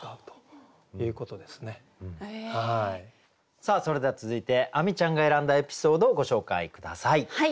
さあそれでは続いて亜美ちゃんが選んだエピソードをご紹介下さい。